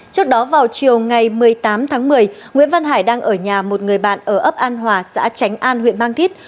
trước đó vào chiều ngày một mươi tám tháng một mươi nguyễn văn hải đang ở nhà một người bạn ở ấp an hòa xã tránh an huyện mang thít